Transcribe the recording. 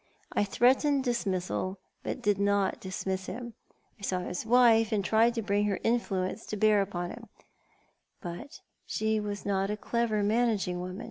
I threatened dismissal, but didn't dismiss him. I saw his wife, and tried to bring her influence ''Half a Life away.'* i8i to bear upon him, but she was not a clever, managing woman.